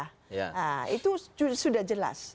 nah itu sudah jelas